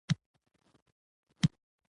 له صفتونو ډک